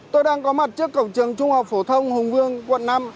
tôi đang có mặt trước cổng trường trung học phổ thông hùng vương quận năm